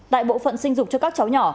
tại bộ phận sinh dục cho các cháu nhỏ